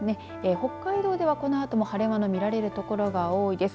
北海道でも、このあとは晴れ間が見られる所が多いです。